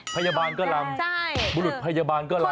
พยาบาลก็ลำบุรุษพยาบาลก็ลำ